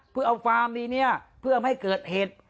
เพื่อเอาฟาร์มดีเนี่ยเพื่อไม่เกิดเหตุ